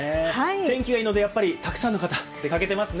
天気がいいので、やっぱり沢山の方が出かけてますね。